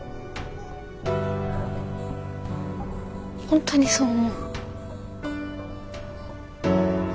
本当にそう思うの？